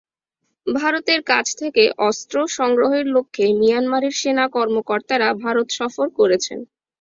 ভারতের কাছ থেকে অস্ত্র সংগ্রহের লক্ষ্যে মিয়ানমারের সেনা কর্মকর্তারা ভারত সফর করেছেন।